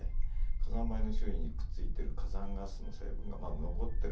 火山灰の周囲にくっついてる火山ガスの成分がまだ残ってるんですよ。